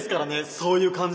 そういう感情。